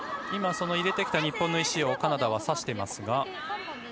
入れてきた日本の石をカナダは指していますが。